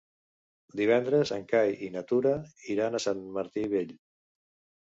Divendres en Cai i na Tura iran a Sant Martí Vell.